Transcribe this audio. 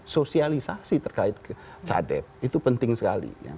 sosialisasi terkait cadep itu penting sekali